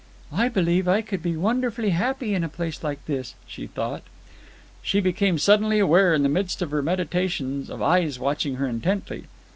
"I believe I could be wonderfully happy in a place like this," she thought. She became suddenly aware, in the midst of her meditations, of eyes watching her intently.